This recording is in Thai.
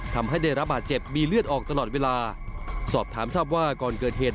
ทำให้ได้รับบาดเจ็บมีเลือดออกตลอดเวลาสอบถามทราบว่าก่อนเกิดเหตุ